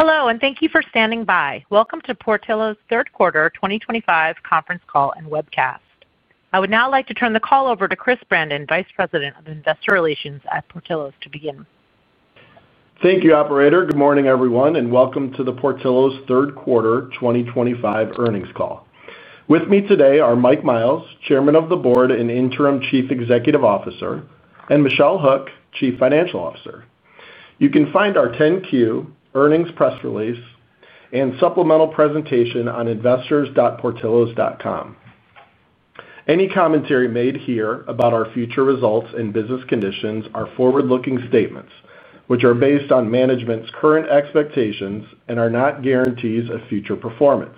Hello, and thank you for standing by. Welcome to Portillo's Third Quarter 2025 Conference Call and Webcast. I would now like to turn the call over to Chris Brandon, Vice President of Investor Relations at Portillo's, to begin. Thank you, Operator. Good morning, everyone, and welcome to the Portillo's Third Quarter 2025 Earnings Call. With me today are Mike Miles, Chairman of the Board and Interim Chief Executive Officer, and Michelle Hook, Chief Financial Officer. You can find our 10-Q earnings press release and supplemental presentation on investors.portillos.com. Any commentary made here about our future results and business conditions are forward-looking statements, which are based on management's current expectations and are not guarantees of future performance.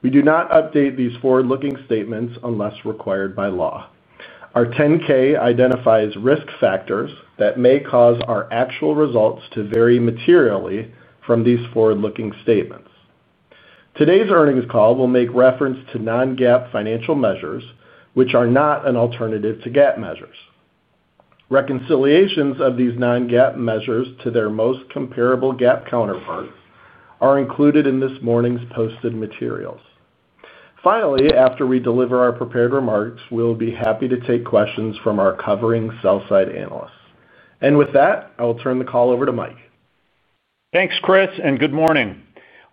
We do not update these forward-looking statements unless required by law. Our 10-K identifies risk factors that may cause our actual results to vary materially from these forward-looking statements. Today's earnings call will make reference to non-GAAP financial measures, which are not an alternative to GAAP measures. Reconciliations of these non-GAAP measures to their most comparable GAAP counterparts are included in this morning's posted materials. Finally, after we deliver our prepared remarks, we'll be happy to take questions from our covering sell-side analysts. And with that, I will turn the call over to Mike. Thanks, Chris, and good morning.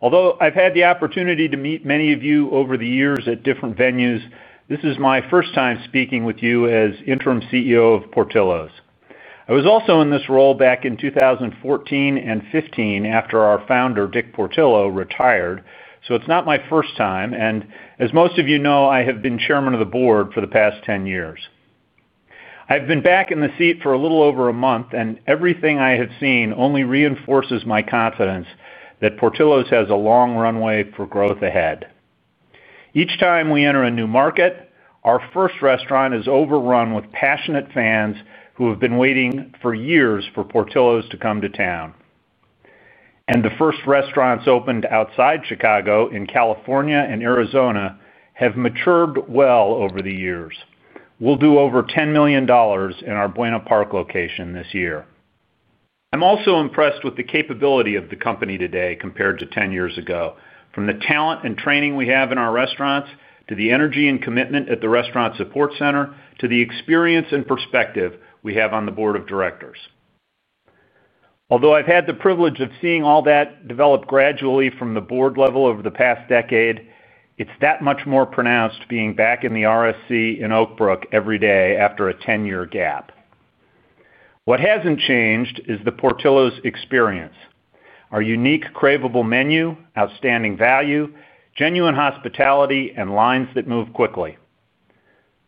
Although I've had the opportunity to meet many of you over the years at different venues, this is my first time speaking with you as Interim CEO of Portillo's. I was also in this role back in 2014 and 2015 after our founder, Dick Portillo, retired, so it's not my first time. And as most of you know, I have been Chairman of the Board for the past 10 years. I've been back in the seat for a little over a month, and everything I have seen only reinforces my confidence that Portillo's has a long runway for growth ahead. Each time we enter a new market, our first restaurant is overrun with passionate fans who have been waiting for years for Portillo's to come to town. And the first restaurants opened outside Chicago in California and Arizona have matured well over the years. We'll do over $10 million in our Buena Park location this year. I'm also impressed with the capability of the company today compared to 10 years ago, from the talent and training we have in our restaurants to the energy and commitment at the restaurant support center to the experience and perspective we have on the board of directors. Although I've had the privilege of seeing all that develop gradually from the board level over the past decade, it's that much more pronounced being back in the RSC in Oakbrook every day after a 10-year gap. What hasn't changed is the Portillo's experience: our unique, craveable menu, outstanding value, genuine hospitality, and lines that move quickly.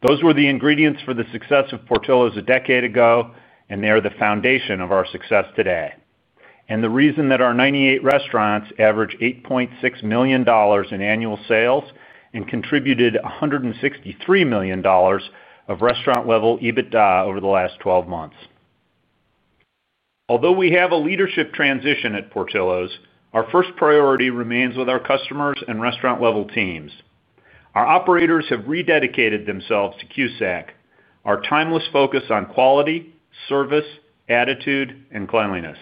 Those were the ingredients for the success of Portillo's a decade ago, and they are the foundation of our success today and the reason that our 98 restaurants average $8.6 million in annual sales and contributed $163 million of restaurant-level EBITDA over the last 12 months. Although we have a leadership transition at Portillo's, our first priority remains with our customers and restaurant-level teams. Our operators have rededicated themselves tow, our timeless focus on quality, service, attitude, and cleanliness.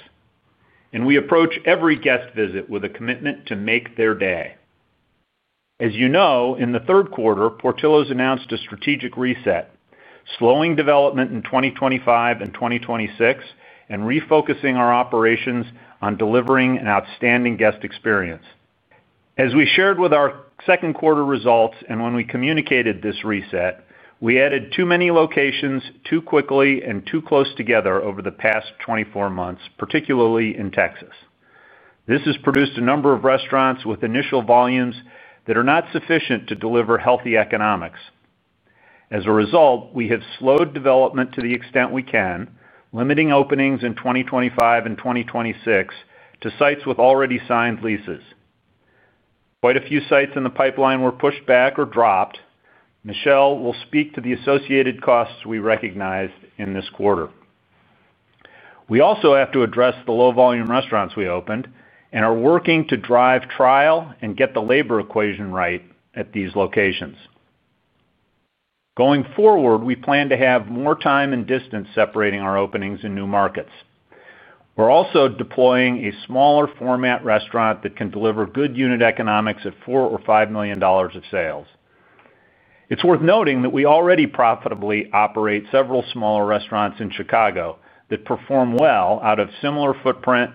And we approach every guest visit with a commitment to make their day. As you know, in the third quarter, Portillo's announced a strategic reset, slowing development in 2025 and 2026, and refocusing our operations on delivering an outstanding guest experience. As we shared with our second quarter results and when we communicated this reset, we added too many locations too quickly and too close together over the past 24 months, particularly in Texas. This has produced a number of restaurants with initial volumes that are not sufficient to deliver healthy economics. As a result, we have slowed development to the extent we can, limiting openings in 2025 and 2026 to sites with already signed leases. Quite a few sites in the pipeline were pushed back or dropped. Michelle will speak to the associated costs we recognized in this quarter. We also have to address the low-volume restaurants we opened and are working to drive trial and get the labor equation right at these locations. Going forward, we plan to have more time and distance separating our openings in new markets. We're also deploying a smaller-format restaurant that can deliver good unit economics at $4 million or $5 million of sales. It's worth noting that we already profitably operate several smaller restaurants in Chicago that perform well out of similar footprint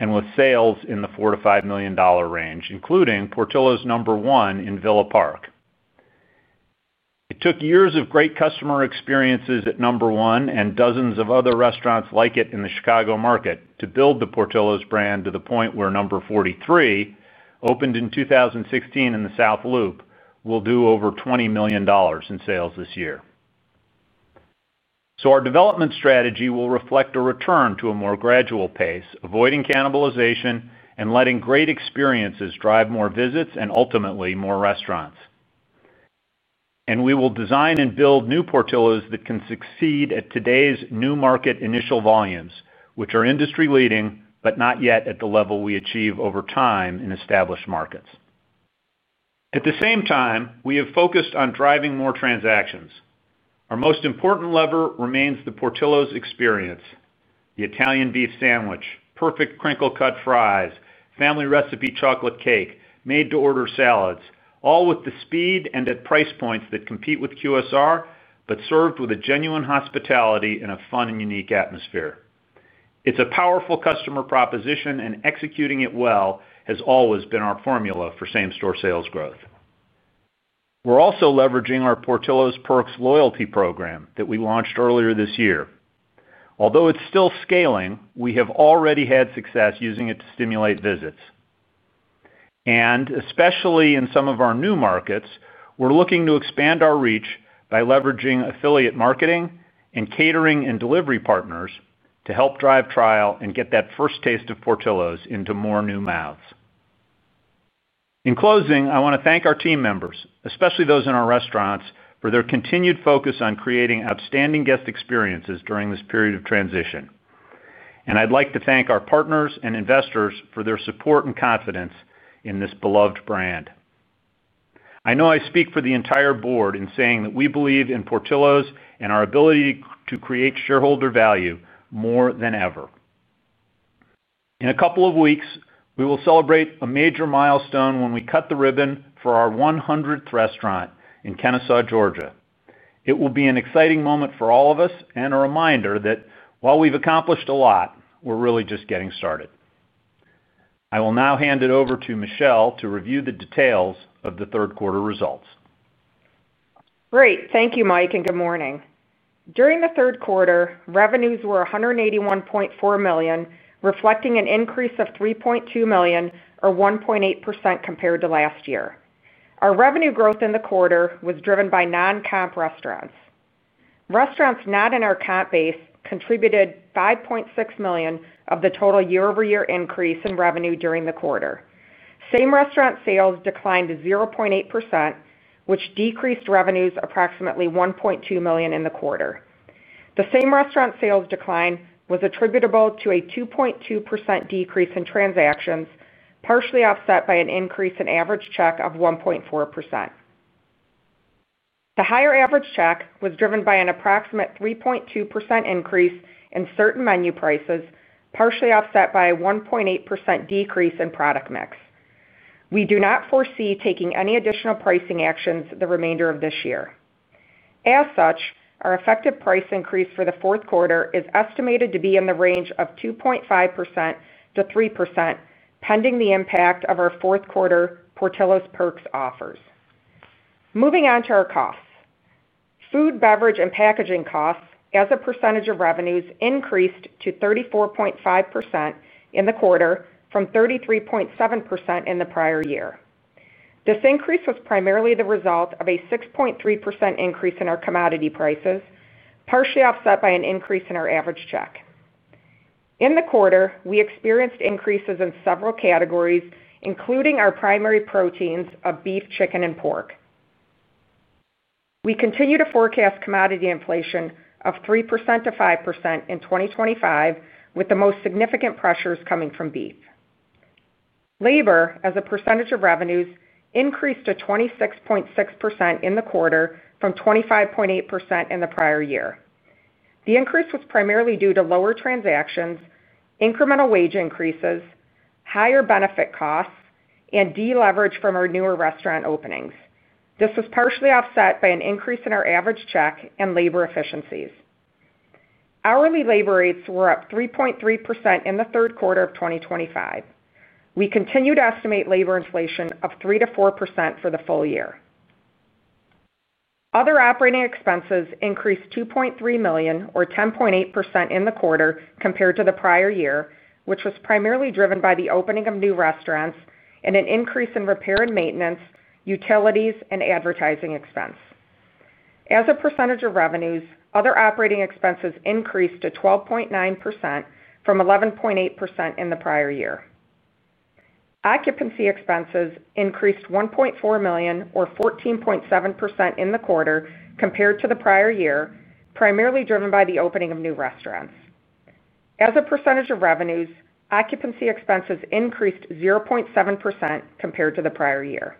and with sales in the $4-$5 million range, including Portillo's number one in Villa Park. It took years of great customer experiences at number one and dozens of other restaurants like it in the Chicago market to build the Portillo's brand to the point where number 43, opened in 2016 in the South Loop, will do over $20 million in sales this year. Our development strategy will reflect a return to a more gradual pace, avoiding cannibalization and letting great experiences drive more visits and ultimately more restaurants. We will design and build new Portillo's that can succeed at today's new market initial volumes, which are industry-leading but not yet at the level we achieve over time in established markets. At the same time, we have focused on driving more transactions. Our most important lever remains the Portillo's experience: the Italian beef sandwich, perfect crinkle-cut fries, family-recipe chocolate cake, made-to-order salads, all with the speed and at price points that compete with QSR but served with a genuine hospitality and a fun and unique atmosphere. It's a powerful customer proposition, and executing it well has always been our formula for same-store sales growth. We're also leveraging our Portillo's Perks Loyalty Program that we launched earlier this year. Although it's still scaling, we have already had success using it to stimulate visits. Especially in some of our new markets, we're looking to expand our reach by leveraging affiliate marketing and catering and delivery partners to help drive trial and get that first taste of Portillo's into more new mouths. In closing, I want to thank our team members, especially those in our restaurants, for their continued focus on creating outstanding guest experiences during this period of transition. I'd like to thank our partners and investors for their support and confidence in this beloved brand. I know I speak for the entire board in saying that we believe in Portillo's and our ability to create shareholder value more than ever. In a couple of weeks, we will celebrate a major milestone when we cut the ribbon for our 100th restaurant in Kennesaw, Georgia. It will be an exciting moment for all of us and a reminder that while we've accomplished a lot, we're really just getting started. I will now hand it over to Michelle to review the details of the third quarter results. Great. Thank you, Mike, and good morning. During the third quarter, revenues were $181.4 million, reflecting an increase of $3.2 million, or 1.8% compared to last year. Our revenue growth in the quarter was driven by non-comp restaurants. Restaurants not in our comp base contributed $5.6 million of the total year-over-year increase in revenue during the quarter. Same restaurant sales declined 0.8%, which decreased revenues approximately $1.2 million in the quarter. The same restaurant sales decline was attributable to a 2.2% decrease in transactions, partially offset by an increase in average check of 1.4%. The higher average check was driven by an approximate 3.2% increase in certain menu prices, partially offset by a 1.8% decrease in product mix. We do not foresee taking any additional pricing actions the remainder of this year. As such, our effective price increase for the fourth quarter is estimated to be in the range of 2.5%-3%, pending the impact of our fourth quarter Portillo's Perks offers. Moving on to our costs. Food, beverage, and packaging costs, as a percentage of revenues, increased to 34.5% in the quarter from 33.7% in the prior year. This increase was primarily the result of a 6.3% increase in our commodity prices, partially offset by an increase in our average check. In the quarter, we experienced increases in several categories, including our primary proteins of beef, chicken, and pork. We continue to forecast commodity inflation of 3%-5% in 2025, with the most significant pressures coming from beef. Labor, as a percentage of revenues, increased to 26.6% in the quarter from 25.8% in the prior year. The increase was primarily due to lower transactions, incremental wage increases, higher benefit costs, and deleverage from our newer restaurant openings. This was partially offset by an increase in our average check and labor efficiencies. Hourly labor rates were up 3.3% in the third quarter of 2025. We continue to estimate labor inflation of 3%-4% for the full year. Other operating expenses increased $2.3 million, or 10.8%, in the quarter compared to the prior year, which was primarily driven by the opening of new restaurants and an increase in repair and maintenance, utilities, and advertising expense. As a percentage of revenues, other operating expenses increased to 12.9% from 11.8% in the prior year. Occupancy expenses increased $1.4 million, or 14.7%, in the quarter compared to the prior year, primarily driven by the opening of new restaurants. As a percentage of revenues, occupancy expenses increased 0.7% compared to the prior year.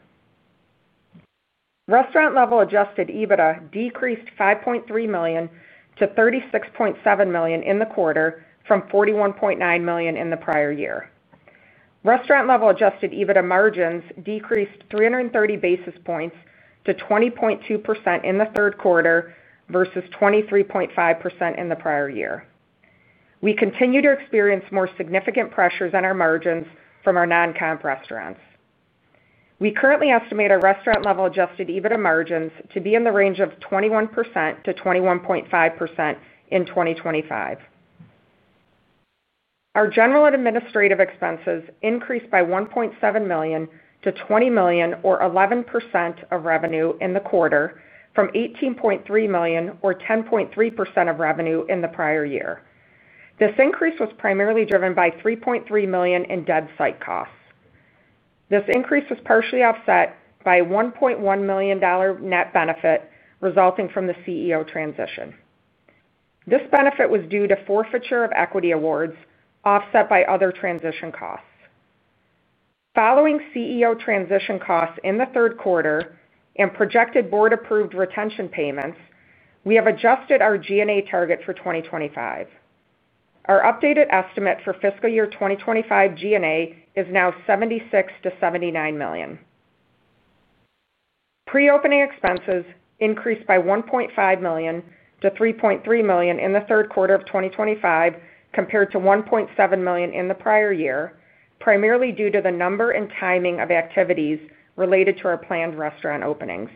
Restaurant-level Adjusted EBITDA decreased $5.3 million to $36.7 million in the quarter from $41.9 million in the prior year. Restaurant-level Adjusted EBITDA margins decreased 330 basis points to 20.2% in the third quarter versus 23.5% in the prior year. We continue to experience more significant pressures on our margins from our non-comp restaurants. We currently estimate our restaurant-level Adjusted EBITDA margins to be in the range of 21%-21.5% in 2025. Our general and administrative expenses increased by $1.7 million to $20 million, or 11% of revenue in the quarter, from $18.3 million, or 10.3% of revenue in the prior year. This increase was primarily driven by $3.3 million in dead site costs. This increase was partially offset by a $1.1 million net benefit resulting from the CEO transition. This benefit was due to forfeiture of equity awards offset by other transition costs. Following CEO transition costs in the third quarter and projected board-approved retention payments, we have adjusted our G&A target for 2025. Our updated estimate for fiscal year 2025 G&A is now $76 million-$79 million. Pre-opening expenses increased by $1.5 million to $3.3 million in the third quarter of 2025 compared to $1.7 million in the prior year, primarily due to the number and timing of activities related to our planned restaurant openings.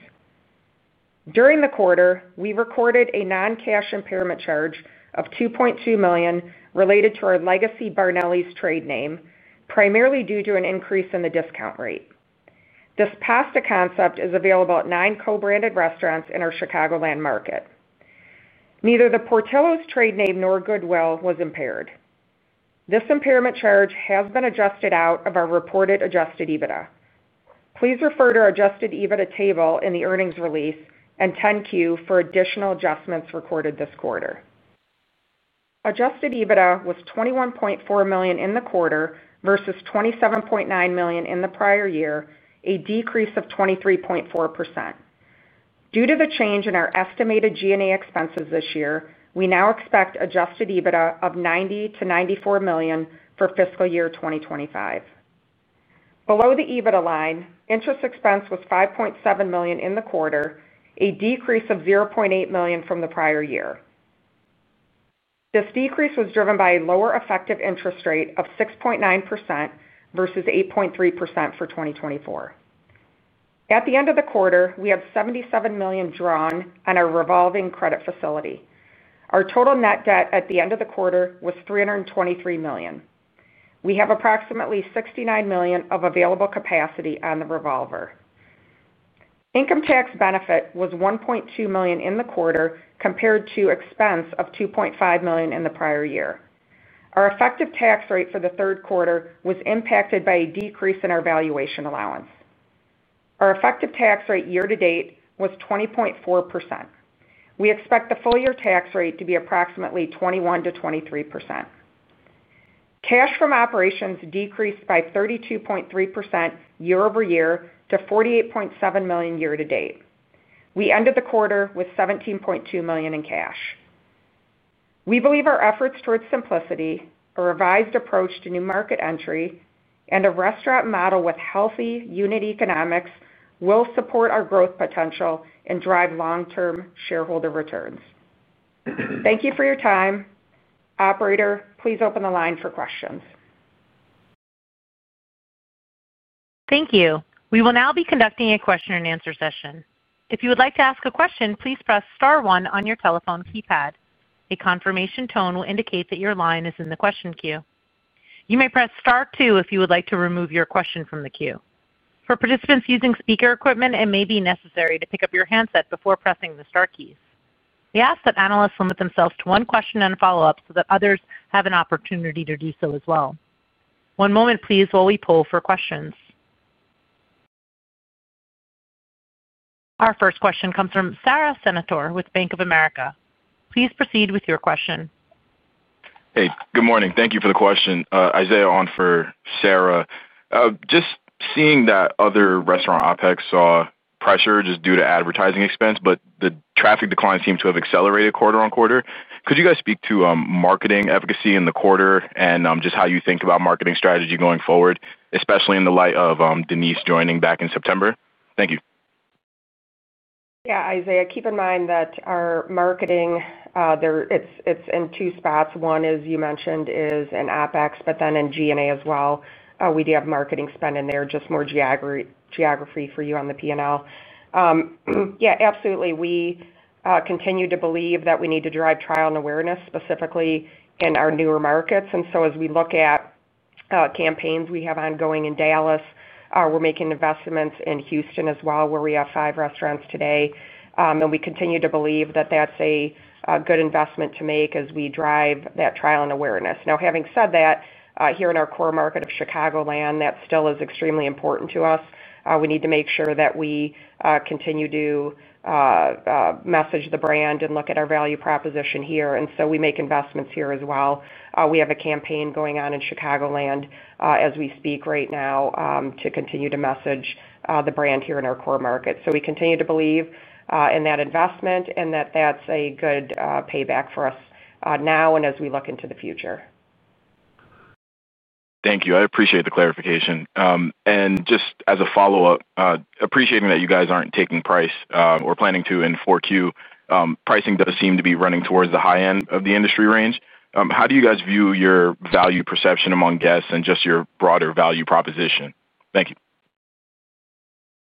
During the quarter, we recorded a non-cash impairment charge of $2.2 million related to our legacy Barnelli's trade name, primarily due to an increase in the discount rate. This past a concept that is available at nine co-branded restaurants in our Chicagoland market. Neither the Portillo's trade name nor goodwill was impaired. This impairment charge has been adjusted out of our reported adjusted EBITDA. Please refer to our adjusted EBITDA table in the earnings release and 10-Q for additional adjustments recorded this quarter. Adjusted EBITDA was $21.4 million in the quarter versus $27.9 million in the prior year, a decrease of 23.4%. Due to the change in our estimated G&A expenses this year, we now expect adjusted EBITDA of $90 million-$94 million for fiscal year 2025. Below the EBITDA line, interest expense was $5.7 million in the quarter, a decrease of $0.8 million from the prior year. This decrease was driven by a lower effective interest rate of 6.9% versus 8.3% for 2024. At the end of the quarter, we have $77 million drawn on our revolving credit facility. Our total net debt at the end of the quarter was $323 million. We have approximately $69 million of available capacity on the revolver. Income tax benefit was $1.2 million in the quarter compared to expense of $2.5 million in the prior year. Our effective tax rate for the third quarter was impacted by a decrease in our valuation allowance. Our effective tax rate year-to-date was 20.4%. We expect the full-year tax rate to be approximately 21%-23%. Cash from operations decreased by 32.3% year-over-year to $48.7 million year-to-date. We ended the quarter with $17.2 million in cash. We believe our efforts toward simplicity, a revised approach to new market entry, and a restaurant model with healthy unit economics will support our growth potential and drive long-term shareholder returns. Thank you for your time. Operator, please open the line for questions. Thank you. We will now be conducting a question-and-answer session. If you would like to ask a question, please press star one on your telephone keypad. A confirmation tone will indicate that your line is in the question queue. You may press star two if you would like to remove your question from the queue. For participants using speaker equipment, it may be necessary to pick up your handset before pressing the Star keys. We ask that analysts limit themselves to one question and follow up so that others have an opportunity to do so as well. One moment, please, while we poll for questions. Our first question comes from Sara Senatore with Bank of America. Please proceed with your question. Hey, good morning. Thank you for the question. Isaiah on for Sara. Just seeing that other restaurant operators saw pressure just due to advertising expense, but the traffic decline seemed to have accelerated quarter on quarter. Could you guys speak to marketing efficacy in the quarter and just how you think about marketing strategy going forward, especially in the light of Denise joining back in September? Thank you. Yeah, Isaiah, keep in mind that our marketing. It's in two spots. One is, you mentioned, is in OpEx, but then in G&A as well. We do have marketing spend in there, just more granularity for you on the P&L. Yeah, absolutely. We continue to believe that we need to drive trial and awareness specifically in our newer markets. And so as we look at campaigns we have ongoing in Dallas, we're making investments in Houston as well, where we have five restaurants today. And we continue to believe that that's a good investment to make as we drive that trial and awareness. Now, having said that, here in our core market of Chicagoland, that still is extremely important to us. We need to make sure that we continue to message the brand and look at our value proposition here. And so we make investments here as well. We have a campaign going on in Chicagoland as we speak right now to continue to message the brand here in our core market. So we continue to believe in that investment and that that's a good payback for us now and as we look into the future. Thank you. I appreciate the clarification. And just as a follow-up, appreciating that you guys aren't taking price or planning to in 4Q, pricing does seem to be running toward the high end of the industry range. How do you guys view your value perception among guests and just your broader value proposition? Thank you.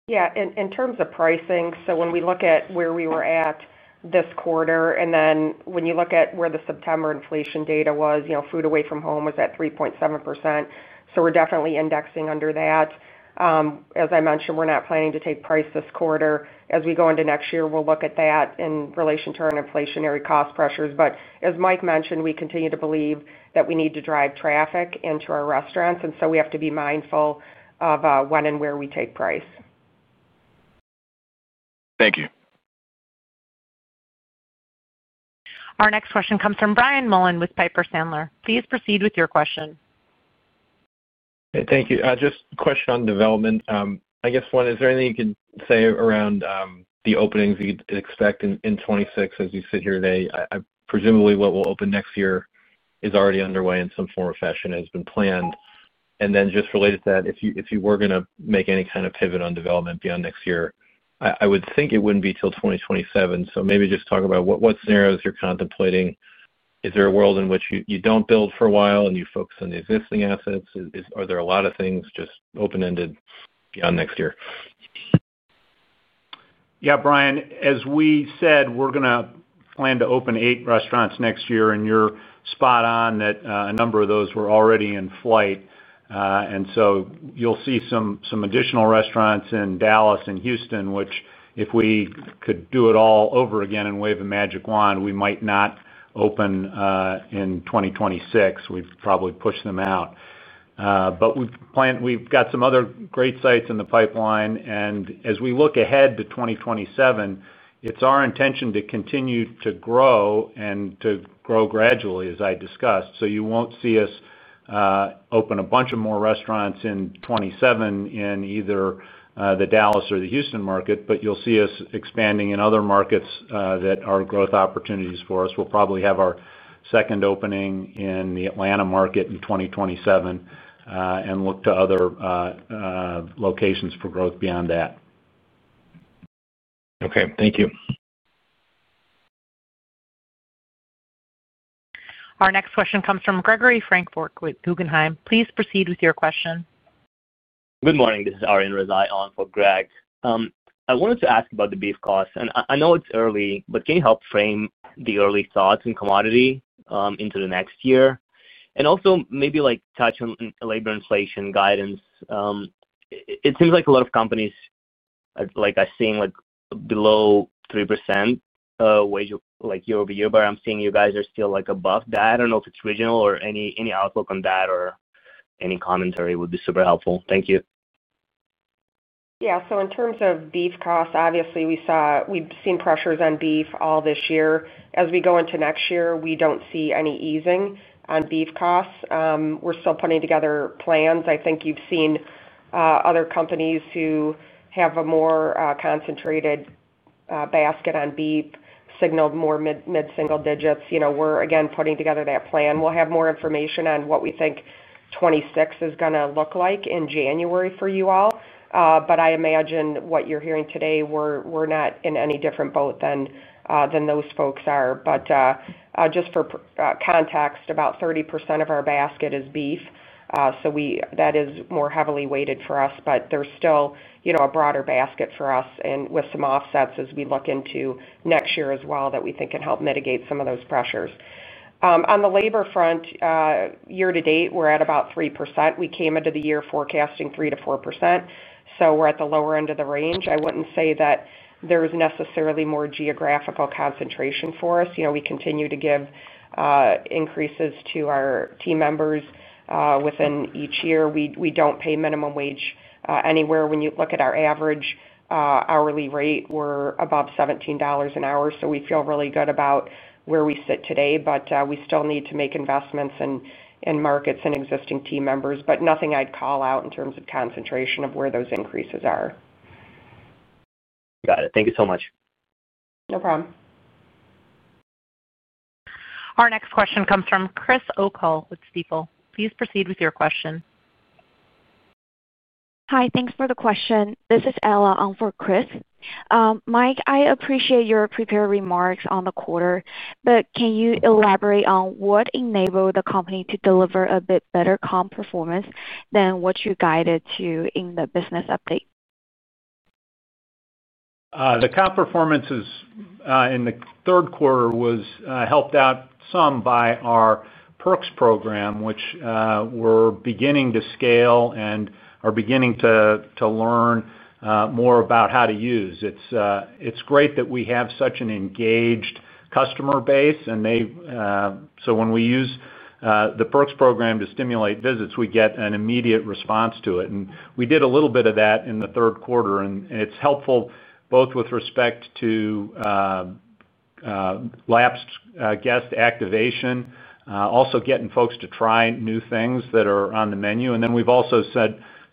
Yeah, in terms of pricing, so when we look at where we were at this quarter and then when you look at where the September inflation data was, food away from home was at 3.7%. So we're definitely indexing under that. As I mentioned, we're not planning to take price this quarter. As we go into next year, we'll look at that in relation to our inflationary cost pressures. But as Mike mentioned, we continue to believe that we need to drive traffic into our restaurants, and so we have to be mindful of when and where we take price. Thank you. Our next question comes from Brian Mullen with Piper Sandler. Please proceed with your question. Thank you. Just a question on development. I guess, one, is there anything you could say around the openings you'd expect in 2026 as you sit here today? Presumably, what will open next year is already underway in some form or fashion, has been planned. And then just related to that, if you were going to make any kind of pivot on development beyond next year, I would think it wouldn't be till 2027. So maybe just talk about what scenarios you're contemplating. Is there a world in which you don't build for a while and you focus on the existing assets? Are there a lot of things just open-ended beyond next year? Yeah, Brian, as we said, we're going to plan to open eight restaurants next year, and you're spot on that a number of those were already in flight. And so you'll see some additional restaurants in Dallas and Houston, which if we could do it all over again, wave a magic wand, we might not open in 2026. We've probably pushed them out. But we've got some other great sites in the pipeline. And as we look ahead to 2027, it's our intention to continue to grow and to grow gradually, as I discussed. So you won't see us open a bunch of more restaurants in 2027 in either the Dallas or the Houston market, but you'll see us expanding in other markets that are growth opportunities for us. We'll probably have our second opening in the Atlanta market in 2027, and look to other locations for growth beyond that. Okay, thank you. Our next question comes from Gregory Francfort with Guggenheim. Please proceed with your question. Good morning. This is Arian Rizai on for Greg. I wanted to ask about the beef costs. And I know it's early, but can you help frame the early thoughts and commodity into the next year? And also maybe touch on labor inflation guidance. It seems like a lot of companies are seeing below 3% wage year-over-year, but I'm seeing you guys are still above that. I don't know if it's regional or any outlook on that or any commentary would be super helpful. Thank you. Yeah, so in terms of beef costs, obviously, we've seen pressures on beef all this year. As we go into next year, we don't see any easing on beef costs. We're still putting together plans. I think you've seen other companies who have a more concentrated basket on beef signaled more mid-single digits. We're, again, putting together that plan. We'll have more information on what we think 2026 is going to look like in January for you all. But I imagine what you're hearing today, we're not in any different boat than those folks are. But just for context, about 30% of our basket is beef. So that is more heavily weighted for us, but there's still a broader basket for us with some offsets as we look into next year as well that we think can help mitigate some of those pressures. On the labor front. Year-to-date, we're at about 3%. We came into the year forecasting 3%-4%. So we're at the lower end of the range. I wouldn't say that there's necessarily more geographical concentration for us. We continue to give increases to our team members within each year. We don't pay minimum wage anywhere. When you look at our average hourly rate, we're above $17 an hour. So we feel really good about where we sit today, but we still need to make investments in markets and existing team members, but nothing I'd call out in terms of concentration of where those increases are. Got it. Thank you so much. No problem. Our next question comes from Chris O'Cull with Stifel. Please proceed with your question. Hi, thanks for the question. This is Ella on for Chris. Mike, I appreciate your prepared remarks on the quarter, but can you elaborate on what enabled the company to deliver a bit better comp performance than what you guided to in the business update? The comp performance in the third quarter was helped out some by our perks program, which we're beginning to scale and are beginning to learn more about how to use. It's great that we have such an engaged customer base, and so when we use the perks program to stimulate visits, we get an immediate response to it. And we did a little bit of that in the third quarter, and it's helpful both with respect to lapsed guest activation, also getting folks to try new things that are on the menu. And then we've also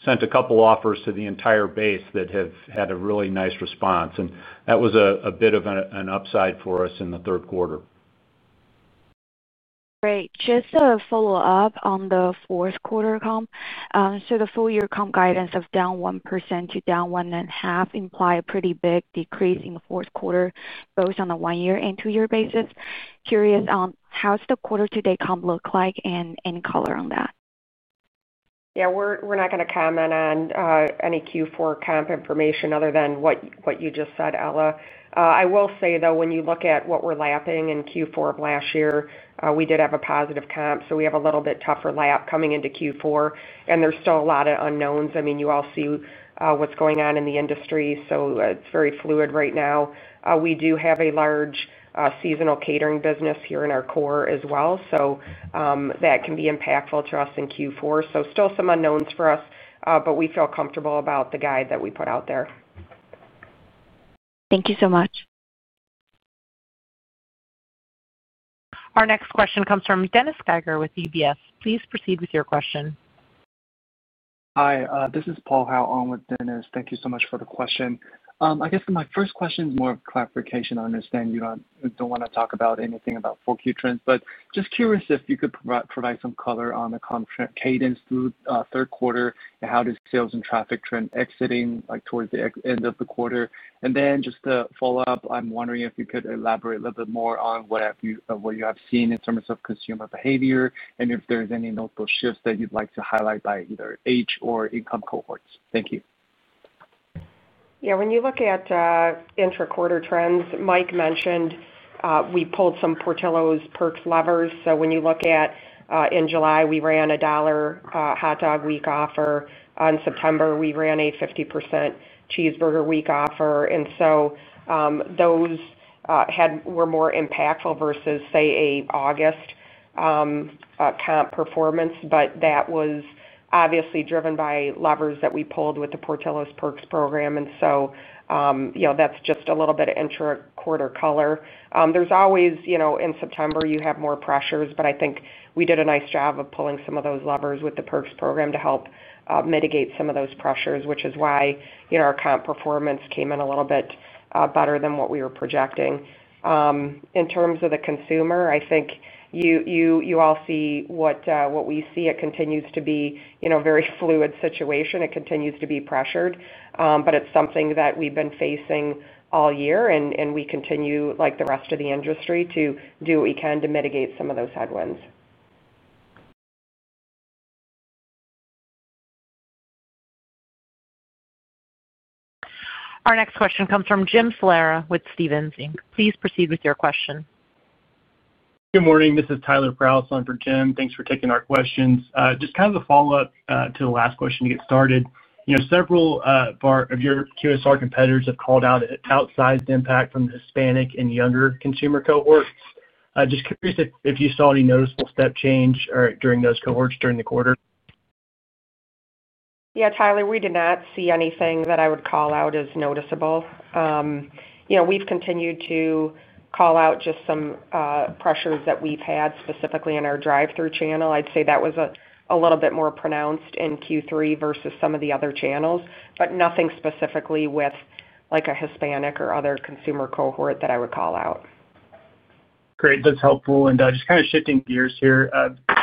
sent a couple offers to the entire base that have had a really nice response, and that was a bit of an upside for us in the third quarter. Great. Just to follow up on the fourth quarter comp. So the full-year comp guidance of down 1% to down 1.5% implied a pretty big decrease in the fourth quarter, both on a one-year and two-year basis. Curious on how's the quarter-to-date comp look like and color on that? Yeah, we're not going to comment on any Q4 comp information other than what you just said, Ella. I will say, though, when you look at what we're lapping in Q4 of last year, we did have a positive comp. So we have a little bit tougher lap coming into Q4, and there's still a lot of unknowns. I mean, you all see what's going on in the industry, so it's very fluid right now. We do have a large seasonal catering business here in our core as well, so that can be impactful to us in Q4, so still some unknowns for us, but we feel comfortable about the guide that we put out there. Thank you so much. Our next question comes from Dennis Geiger with UBS. Please proceed with your question. Hi, this is Paul Hao on with Dennis. Thank you so much for the question. I guess my first question is more of a clarification. I understand you don't want to talk about anything about 4Q trends, but just curious if you could provide some color on the comp cadence through third quarter and how does sales and traffic trend exiting towards the end of the quarter? And then just to follow up, I'm wondering if you could elaborate a little bit more on what you have seen in terms of consumer behavior and if there's any notable shifts that you'd like to highlight by either age or income cohorts. Thank you. Yeah, when you look at intra-quarter trends, Mike mentioned we pulled some Portillo's Perks levers. So when you look at in July, we ran a dollar hot dog week offer. In September, we ran a 50% cheeseburger week offer. And so those were more impactful versus, say, an August comp performance, but that was obviously driven by levers that we pulled with the Portillo's Perks program. And so that's just a little bit of intra-quarter color. There's always in September, you have more pressures, but I think we did a nice job of pulling some of those levers with the Perks program to help mitigate some of those pressures, which is why our comp performance came in a little bit better than what we were projecting. In terms of the consumer, I think you all see what we see. It continues to be a very fluid situation. It continues to be pressured, but it's something that we've been facing all year. And we continue, like the rest of the industry, to do what we can to mitigate some of those headwinds. Our next question comes from Jim Salera with Stephens Inc. Please proceed with your question. Good morning. This is Tyler Prause on for Jim. Thanks for taking our questions. Just kind of a follow-up to the last question to get started. Several of your QSR competitors have called out outsized impact from the Hispanic and younger consumer cohorts. Just curious if you saw any noticeable step change during those cohorts during the quarter. Yeah, Tyler, we did not see anything that I would call out as noticeable. We've continued to call out just some pressures that we've had specifically in our drive-through channel. I'd say that was a little bit more pronounced in Q3 versus some of the other channels, but nothing specifically with a Hispanic or other consumer cohort that I would call out. Great. That's helpful. And just kind of shifting gears here,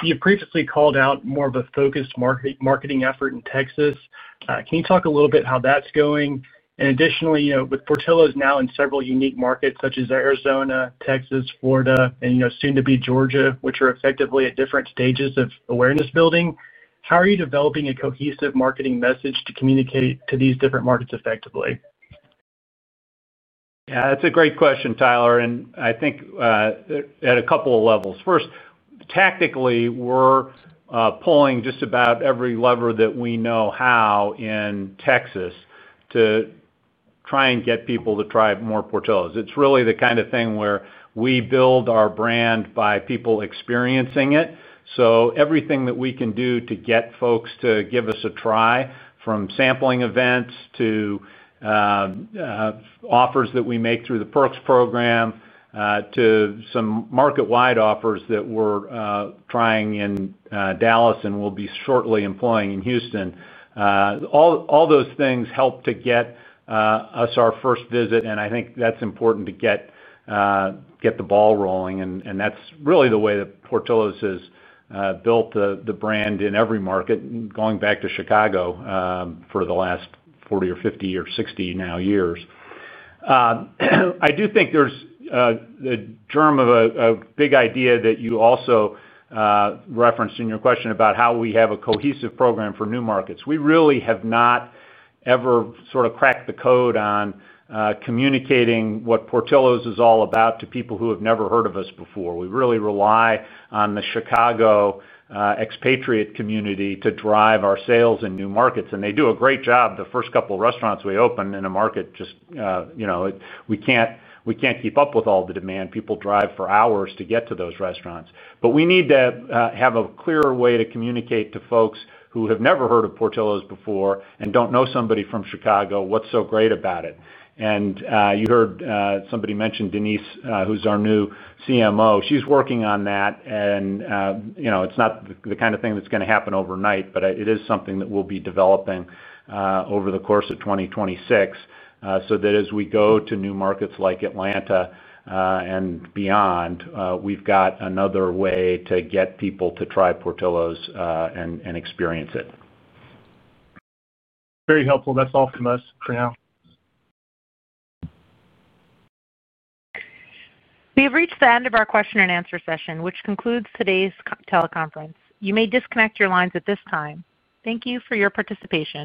you previously called out more of a focused marketing effort in Texas. Can you talk a little bit how that's going? And additionally, with Portillo's now in several unique markets such as Arizona, Texas, Florida, and soon to be Georgia, which are effectively at different stages of awareness building, how are you developing a cohesive marketing message to communicate to these different markets effectively? Yeah, that's a great question, Tyler, and I think at a couple of levels. First, tactically, we're pulling just about every lever that we know how in Texas to try and get people to try more Portillo's. It's really the kind of thing where we build our brand by people experiencing it. So everything that we can do to get folks to give us a try, from sampling events to offers that we make through the Perks program to some market-wide offers that we're trying in Dallas and will be shortly employing in Houston. All those things help to get us our first visit. And I think that's important to get the ball rolling. And that's really the way that Portillo's has built the brand in every market, going back to Chicago for the last 40 or 50 or 60 now years. I do think there's the germ of a big idea that you also referenced in your question about how we have a cohesive program for new markets. We really have not ever sort of cracked the code on communicating what Portillo's is all about to people who have never heard of us before. We really rely on the Chicago expatriate community to drive our sales in new markets. And they do a great job. The first couple of restaurants we opened in a market just we can't keep up with all the demand. People drive for hours to get to those restaurants. But we need to have a clearer way to communicate to folks who have never heard of Portillo's before and don't know somebody from Chicago, what's so great about it? And you heard somebody mention Denise, who's our new CMO. She's working on that. And it's not the kind of thing that's going to happen overnight, but it is something that we'll be developing over the course of 2026 so that as we go to new markets like Atlanta and beyond, we've got another way to get people to try Portillo's and experience it. Very helpful. That's all from us for now. We have reached the end of our question and answer session, which concludes today's teleconference. You may disconnect your lines at this time. Thank you for your participation.